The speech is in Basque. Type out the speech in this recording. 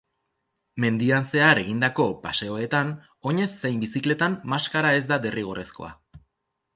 Mendian zehar egindako paseoetan, oinez zein bizikletan, maskara ez da derrigorrezkoa.